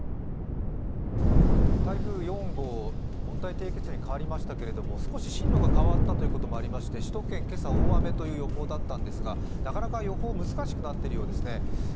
台風４号、温帯低気圧に変わりましたけども少し進路が変わったということもありまして首都圏、今朝、大雨という予報だったんですがなかなか予報難しくなっているようですね。